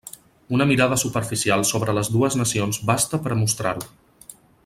Una mirada superficial sobre les dues nacions basta per a mostrar-ho.